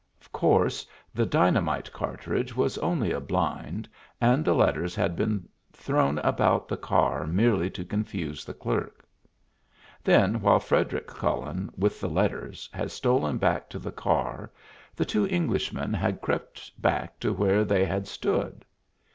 Of course the dynamite cartridge was only a blind, and the letters had been thrown about the car merely to confuse the clerk. Then while Frederic Cullen, with the letters, had stolen back to the car, the two Englishmen had crept back to where they had stood.